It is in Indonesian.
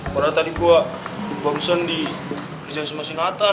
padahal tadi gue gue barusan di jalan sema sinatan